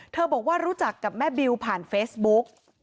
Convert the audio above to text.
บอกว่ารู้จักกับแม่บิวผ่านเฟซบุ๊ก